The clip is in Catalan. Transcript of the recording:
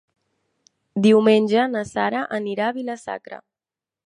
Diumenge na Sara anirà a Vila-sacra.